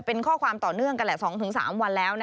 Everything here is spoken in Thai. เป็นข้อความต่อเนื่องกันแหละ๒๓วันแล้ว